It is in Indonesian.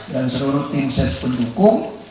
dan seluruh tim ses pendukung